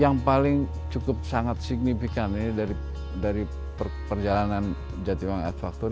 ya yang paling cukup sangat signifikan ini dari perjalanan jatiwangi art factory